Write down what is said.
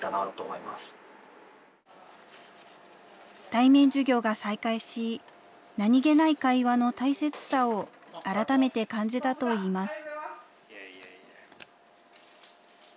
対面授業が再開し、何気ない会話の大切さを改めて感じたといいます。